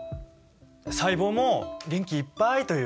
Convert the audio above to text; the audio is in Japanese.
細胞も元気いっぱいというか。